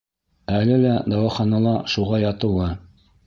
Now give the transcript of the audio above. Әле лә дауаханала шуға ятыуы.